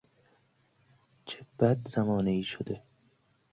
چه بد زمانهای شده!